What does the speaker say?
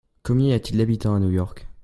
Combien y a-t-il d'habitants à New York ?